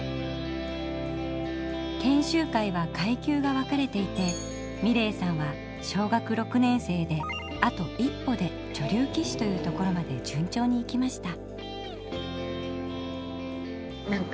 研修会は階級が分かれていて美礼さんは小学６年生であと一歩で女流棋士というところまで順調に行きました。